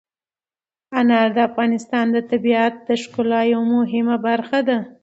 انار د افغانستان د طبیعت د ښکلا یوه مهمه برخه ده.